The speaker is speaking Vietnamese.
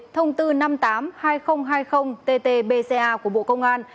thông tư năm trăm tám mươi hai nghìn hai mươi ttbca của bộ công an